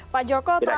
pak joko terakhir